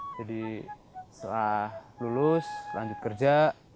jadi setelah lulus lanjut kerja